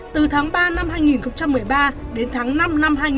từ tháng ba năm hai nghìn một mươi ba đến tháng năm năm hai nghìn hai mươi hai